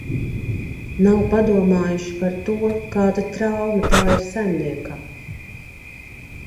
Nav padomājuši par to, kāda trauma tā ir saimniekam.